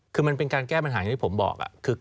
คือมันเป็นการแก้ปัญหาอย่างที่ผมบอก